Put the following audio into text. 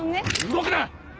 動くな！